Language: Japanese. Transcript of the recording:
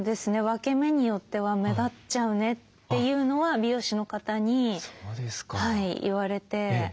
分け目によっては目立っちゃうねっていうのは美容師の方に言われて。